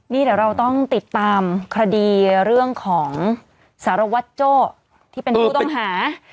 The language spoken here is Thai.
นี่เดี๋ยวเราต้องติดตามคดีเรื่องของสารวัตรโจ้ที่เป็นผู้ต้องหา